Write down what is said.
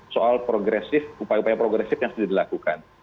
soal progresif upaya upaya progresif yang sudah dilakukan